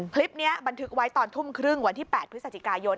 บันทึกไว้ตอนทุ่มครึ่งวันที่๘พฤศจิกายน